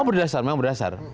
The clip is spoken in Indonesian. oh berdasar memang berdasar